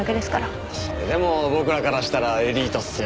それでも僕らからしたらエリートっすよ。